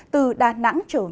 từ đà nẵng